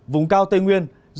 vùng cao tây nguyên